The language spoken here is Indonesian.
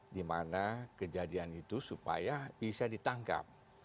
dimana kejadian itu supaya bisa ditangkap